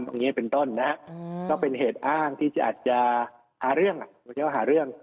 อย่างนี้เป็นต้นนะฮะก็เป็นเหตุอ้างที่อาจจะหาเรื่องมันจะหาเรื่อง